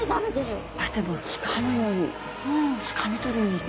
こうやってもうつかむようにつかみ取るようにして。